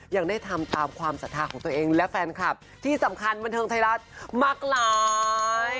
ยังได้ทำตามความศรัทธาของตัวเองและแฟนคลับที่สำคัญบันเทิงไทยรัฐมากหลาย